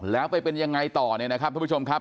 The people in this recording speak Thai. แล้วไปเป็นอย่างไรต่อทุกผู้ชมครับ